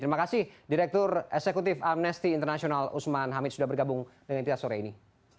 terima kasih direktur eksekutif amnesty international usman hamid sudah bergabung dengan kita sore ini